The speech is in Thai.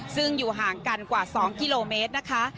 ซึ่งอยู่ห่างกันกว่า๒กิโลเมตรนะคะ